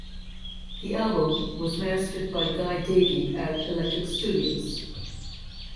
The album was mastered by Guy Davie at Electric studios.